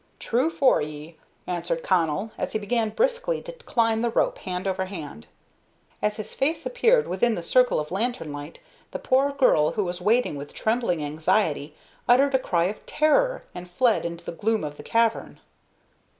"True for ye," answered Connell, as he began briskly to climb the rope, hand over hand. As his face appeared within the circle of lantern light, the poor girl, who was waiting with trembling anxiety, uttered a cry of terror and fled into the gloom of the cavern.